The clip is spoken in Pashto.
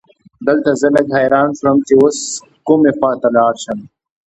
دلته زه لږ حیران شوم چې اوس کومې خواته لاړ شم.